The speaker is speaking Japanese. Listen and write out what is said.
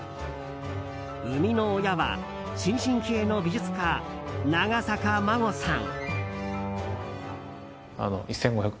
生みの親は、新進気鋭の美術家長坂真護さん。